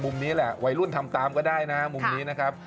นี้แหละวัยรุ่นทำตามก็ได้นะมุมนี้นะครับ